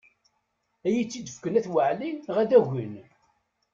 Ad iyi-tt-id-fken At Waɛli neɣ ad agin.